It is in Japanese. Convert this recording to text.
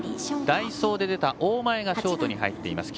代走で出た大前がショートに入っています。